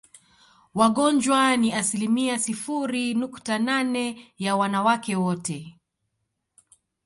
Wagonjwa ni asilimia sifuri nukta nane ya wanawake wote